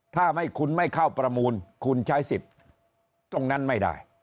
ถ้าไม่คุณไม่เข้าประมูลคุณใช้สิทธิ์ตรงนั้นไม่ได้